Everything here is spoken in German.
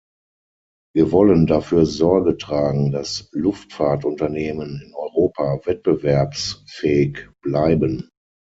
Wir wollen dafür Sorge tragen, das Luftfahrtunternehmen in Europa wettbewerbsfähig bleiben.